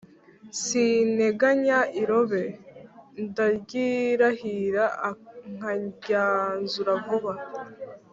sinteganya irobe ; ndaryirahira, nkaryanzura vuba !»